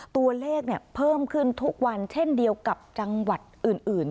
ตัวเลขเพิ่มขึ้นทุกวันเช่นเดียวกับจังหวัดอื่น